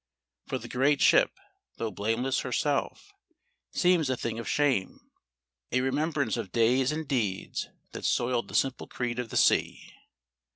For the great ship, though blameless herself, seems a thing of shame, a remembrance of days and deeds that soiled the simple creed of the sea.